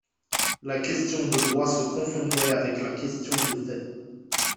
La question de droit se confondait avec la question de fait.